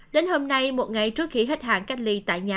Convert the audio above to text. đến hôm nay một ngày trước khi hết hạn cách ly tại nhà